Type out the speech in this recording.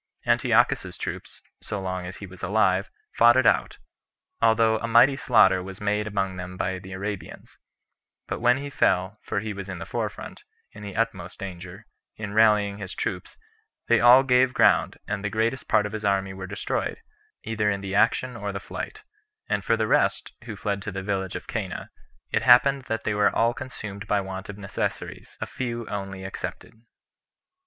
Antiochus's troops, so long as he was alive, fought it out, although a mighty slaughter was made among them by the Arabians; but when he fell, for he was in the forefront, in the utmost danger, in rallying his troops, they all gave ground, and the greatest part of his army were destroyed, either in the action or the flight; and for the rest, who fled to the village of Cana, it happened that they were all consumed by want of necessaries, a few only excepted.